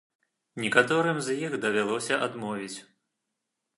Некаторым з іх давялося адмовіць.